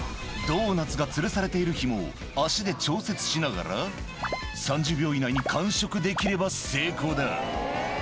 ドーナツがつるされているひもを足で調節しながら、３０秒以内に完食できれば成功だ。